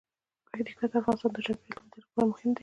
پکتیکا د افغانستان د چاپیریال د مدیریت لپاره مهم دي.